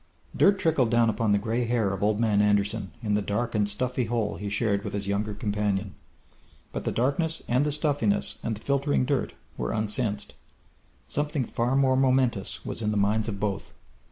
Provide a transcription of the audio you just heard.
Dirt trickled down upon the gray hair of Old Man Anderson in the dark and stuffy hole he shared with his younger companion. But the darkness and the stuffiness and the filtering dirt were unsensed. Something far more momentous was in the minds of both.